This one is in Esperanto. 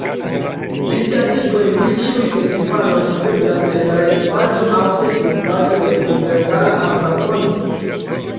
Ĝisdatigoj pri ĉiuj festivaloj haveblas en la retpaĝo aŭ Facebook-paĝo de Universala Amrakonto.